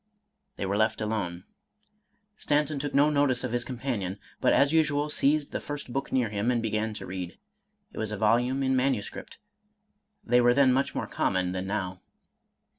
They were left alone. Stanton took no notice of his companion, but as usual seized the first book near him, and began to read. It was a volume in manu script, — they were then much more common than now.